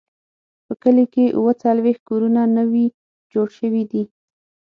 په کلي کې اووه څلوېښت کورونه نوي جوړ شوي دي.